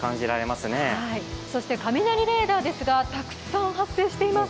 そして雷レーダーですがたくさん発生しています。